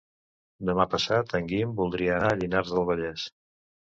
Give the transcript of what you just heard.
Demà passat en Guim voldria anar a Llinars del Vallès.